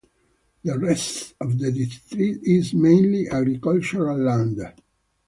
The rest of the district is mainly agricultural land.